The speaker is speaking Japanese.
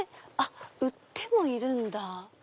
売ってもいるんだ。